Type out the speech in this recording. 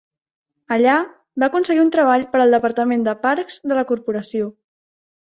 Allà, va aconseguir un treball per al Departament de Parcs de la Corporació.